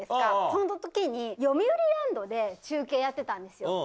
このときに、よみうりランドで中継やってたんですよ。